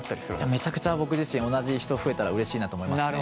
めちゃくちゃ僕自身同じ人増えたらうれしいなと思いますね。